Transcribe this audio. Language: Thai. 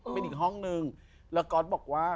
เป็นอีกห้องนึงแล้วก๊อตบอกว่า